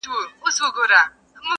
o د بل جنگ لوى اختر دئ!